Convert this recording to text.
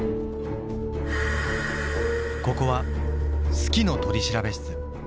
ここは「好きの取調室」